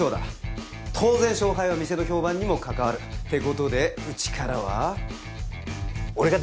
当然勝敗は店の評判にも関わる。ってことでうちからは俺が出ることにした。